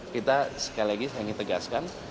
kita sekali lagi saya ingin tegaskan